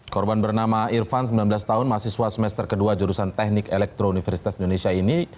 korban bernama irvan sembilan belas tahun mahasiswa semester kedua jurusan teknik elektro universitas indonesia ini